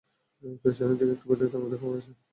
পেছনের দিকে একটা পরিত্যক্ত আঙ্গুরের খামার আছে।